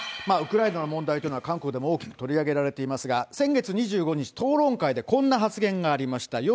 ウクライナの問題というのは、韓国でも大きく取り上げられていますが、先月２５日、討論会でこんな発言がありました。